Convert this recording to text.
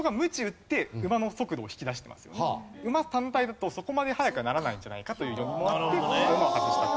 馬単体だとそこまで速くはならないんじゃないかという理論もあって馬は外したと。